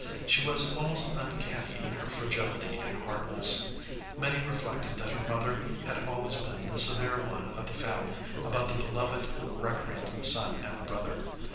*, She was almost uncanny in her fragility and hardness. Minnie reflected that her mother had al ways been the severe one of the family about the beloved recreant son and brother.